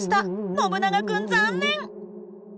ノブナガ君残念！